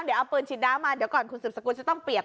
เดี๋ยวยาวเอาปืนฉีดน้ำทำให้คุณสิบสกุลจะต้องเปียก